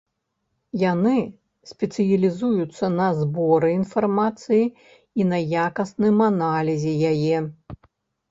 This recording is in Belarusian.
Яны спецыялізуюцца на зборы інфармацыі і на якасным аналізе яе.